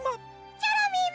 チョロミーも！